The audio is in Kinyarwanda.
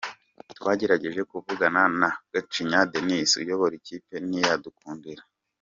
Twagerageje kuvugana na Gacinya Denis uyobora iyi kipe ntibyadukundira.